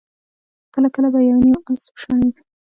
کله کله به يو نيم آس وشڼېد.